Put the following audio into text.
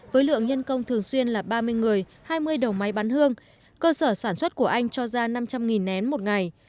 với lượng nhân công thường xuyên là ba mươi người hai mươi đầu máy bán hương cơ sở sản xuất của anh cho ra năm trăm linh nén một ngày